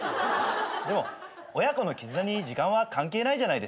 でも親子の絆に時間は関係ないじゃないですか。